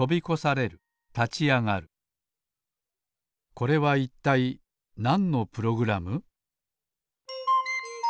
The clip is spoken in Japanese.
これはいったいなんのプログラム？